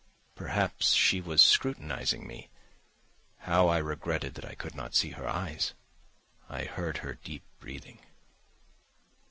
Perhaps she was scrutinising me. How I regretted that I could not see her eyes. I heard her deep breathing.